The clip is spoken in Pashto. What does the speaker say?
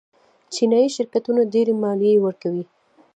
چینايي شرکتونه ډېرې مالیې ورکوي.